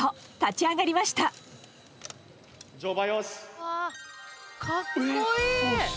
わぁかっこいい！